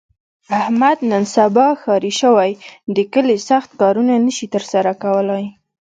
احمد نن سبا ښاري شوی، د کلي سخت کارونه نشي تر سره کولی.